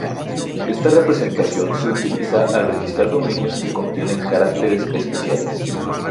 Esta representación se utiliza al registrar dominios que contienen caracteres especiales.